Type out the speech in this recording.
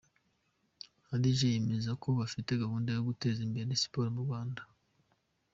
Hadji yemeza ko bafite gahunda yo guteza imbere Siporo mu Rwanda.